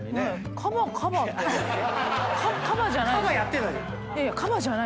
カバじゃない。